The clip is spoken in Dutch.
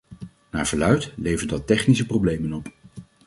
Naar verluidt, levert dat technische problemen op.